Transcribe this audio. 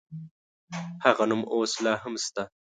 هغه نوم اوس لا هم شته.